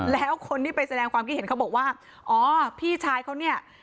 แล้วคนที่ไปแสดงความคิดเห็นเขาบอกว่าอ๋อพี่ชายเขาเนี่ย